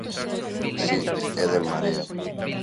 Si, é de En Marea.